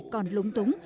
còn lúng túng